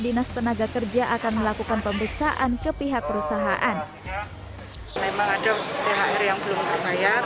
dinas tenaga kerja akan melakukan pemeriksaan ke pihak perusahaan memang ada thr yang belum terbayar